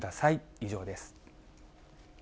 以上です。